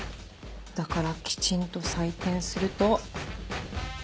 だからきちんと採点すると。